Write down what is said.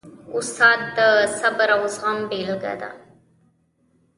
استاد د صبر او زغم بېلګه ده.